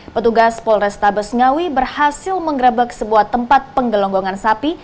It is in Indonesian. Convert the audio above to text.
petugas polrestabes ngawi berhasil mengrebek sebuah tempat penggelonggongan sapi